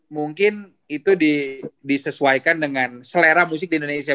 mungkin itu disesuaikan dengan selera musik di indonesia